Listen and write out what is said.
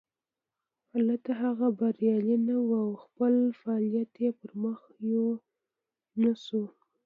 هلته هغه بریالی نه و او خپل فعالیت یې پرمخ یو نه شو.